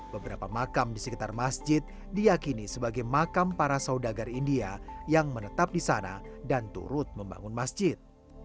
beberapa makam di sekitar masjid diakini sebagai makam para saudagar india yang menetap di sana dan turut membangun masjid